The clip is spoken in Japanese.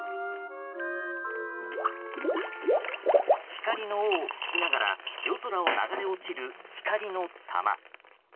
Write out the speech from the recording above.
光の尾を引きながら夜空を流れ落ちる光の球。